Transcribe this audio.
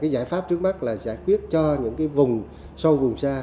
giải pháp trước mắt là giải quyết cho những vùng sâu vùng xa